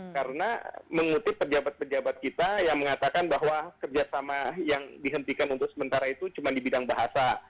karena mengutip pejabat pejabat kita yang mengatakan bahwa kerja sama yang dihentikan untuk sementara itu cuma di bidang bahasa